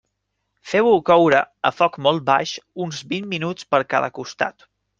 Feu-ho coure, a foc molt baix, uns vint minuts per cada costat.